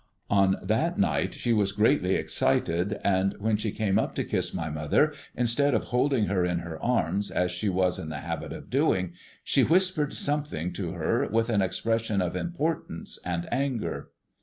On that night she was greatly excited; and when she came up to kiss my mother, instead of folding her in her arms as she was in the habit of doing, she whispered something to her with an expression of importance and anger.